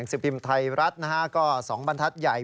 สิบพิมพ์ไทยรัฐนะฮะก็๒บรรทัศน์ใหญ่